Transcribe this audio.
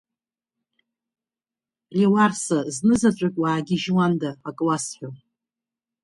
Леуарса, знызаҵәык уаагьежьуанда, акы уасҳәон!